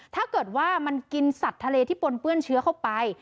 ถ้าเกิดว่ามันกินสัตว์ทะเลที่ปนเปื้อนเชื้อเข้าไป